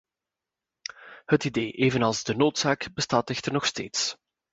Het idee, evenals de noodzaak, bestaat echter nog steeds.